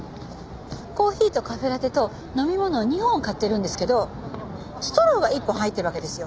コーヒーとカフェラテと飲み物を２本買ってるんですけどストローが１本入ってるわけですよ。